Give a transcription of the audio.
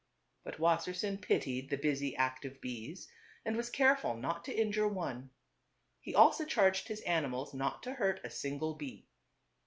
But Wassersein pitied the busy, active bees, and was careful not to injure one. He also charged his animals not to hurt a single bee.